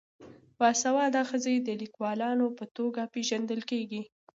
باسواده ښځې د لیکوالانو په توګه پیژندل کیږي.